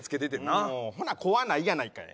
ほな怖ないやないかい。